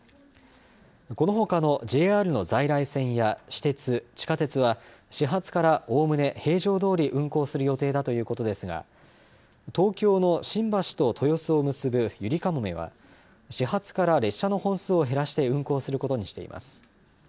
このほかのＪＲの在来線や私鉄、地下鉄は始発から、おおむね平常どおり運行する予定だということですが東京の新橋と豊洲を結ぶゆりかもめは始発から列車の本数を減らして運行することにしています。